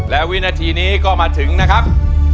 และวินาทีนี้ก็มาถึงนะครับ